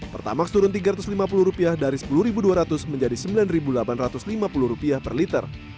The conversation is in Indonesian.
pertamax turun rp tiga ratus lima puluh dari rp sepuluh dua ratus menjadi rp sembilan delapan ratus lima puluh per liter